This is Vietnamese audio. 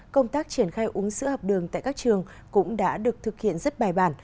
công tác triển khai uống sữa học đường tại các trường cũng đã được thực hiện rất bài bản